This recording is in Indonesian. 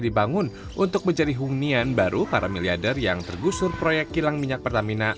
dibangun untuk menjadi hunian baru para miliarder yang tergusur proyek kilang minyak pertamina